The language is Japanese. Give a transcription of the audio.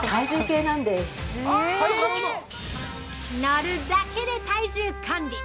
◆乗るだけで体重管理！